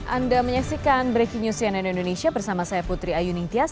anda menyaksikan breaking news cnn indonesia bersama saya putri ayu ningtyas